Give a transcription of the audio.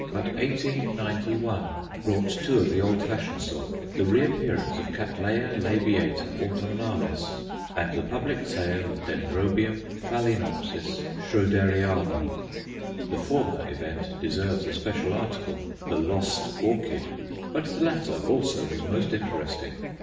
But 1891 brought two of the old fashioned sort, the reappearance of Cattleya labiata autumnalis and the public sale of Dendrobium phaloenopsis Schroderianum. The former event deserves a special article, "The Lost Orchid;" but the latter also was most interesting.